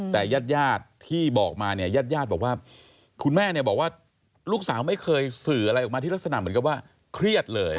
แต่ญาติญาติที่บอกมาเนี่ยญาติญาติบอกว่าคุณแม่เนี่ยบอกว่าลูกสาวไม่เคยสื่ออะไรออกมาที่ลักษณะเหมือนกับว่าเครียดเลย